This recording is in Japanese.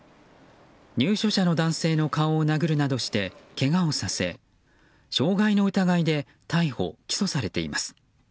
入所者の男性の顔を殴るなどしてけがをさせ傷害の疑いで逮捕・起訴されています。